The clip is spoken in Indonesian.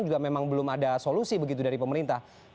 juga memang belum ada solusi begitu dari pemerintah